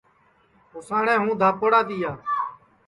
اُساٹؔے ہوں دھاپوڑا تیا